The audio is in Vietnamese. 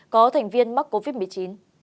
có thành viên mắc covid một mươi chín